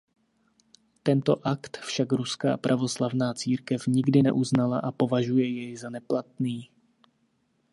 Tento akt však ruská pravoslavná církev nikdy neuznala a považuje jej za neplatný.